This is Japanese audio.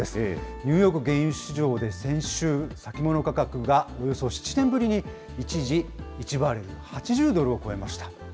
ニューヨーク原油市場で先週、先物価格がおよそ７年ぶりに、一時１バレル８０ドルを超えました。